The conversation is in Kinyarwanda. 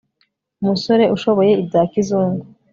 umusore ushoboye ibya kizungu